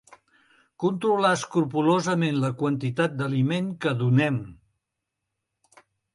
Controlar escrupolosament la quantitat d'aliment que donem.